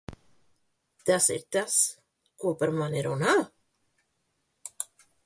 Tas ir tas, ko par mani runā?